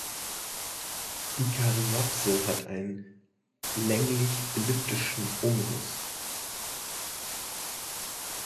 Die Karyopse hat einen länglich-elliptischen Umriss.